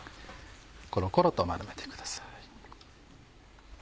コロコロと丸めてください。